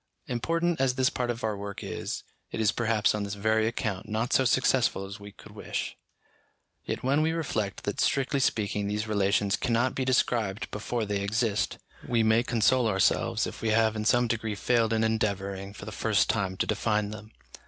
Important as this part of our work is, it is perhaps on this very account not so successful as we could wish. Yet when we reflect that strictly speaking these relations cannot be described before they exist, we may console ourselves if we have in some degree failed in endeavouring for the first time to define them.